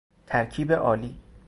ترکیب آلی